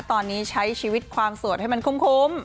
ตอนนี้ใช้ชีวิตความโสดให้มันคุ้ม